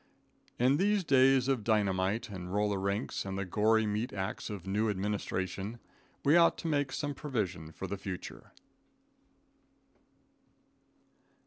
In these days of dynamite and roller rinks, and the gory meat ax of a new administration, we ought to make some provision for the future.